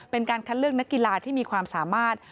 เป็นการคัดเลือกนักกีฬาที่มีความสามารถ